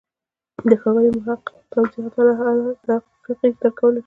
د ښاغلي محق توضیحات هله دقیق درک کولای شو.